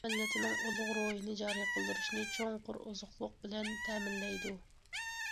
جۇڭخۇا مىللىتىنىڭ ئۇلۇغ روھىنى جارى قىلدۇرۇشنى چوڭقۇر ئوزۇقلۇق بىلەن تەمىنلەيدۇ.